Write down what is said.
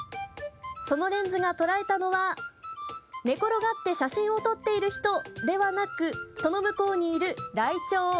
そのレンズが捉えたのは寝転がって写真を撮っている人ではなくその向こうにいるライチョウ。